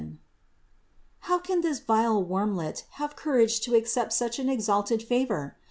How can this vile wormlet have courage to accept such an exalted favor?